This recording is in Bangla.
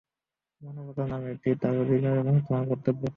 মানবতার নামে এটি তার অধিকার এবং তোমার কর্তব্য।